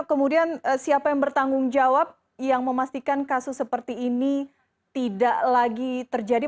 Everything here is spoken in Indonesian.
kemudian siapa yang bertanggung jawab yang memastikan kasus seperti ini tidak lagi terjadi